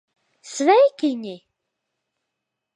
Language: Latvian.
Sveikiņi!